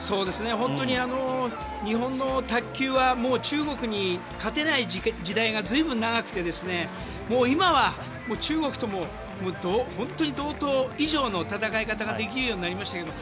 本当に日本の卓球は中国に勝てない時代が随分長くて今はもう、中国とも本当に同等以上の戦い方ができるようになりましたけれども。